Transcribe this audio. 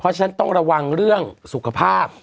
เพราะฉะนั้นต้องระวังเรื่องสุขภาพ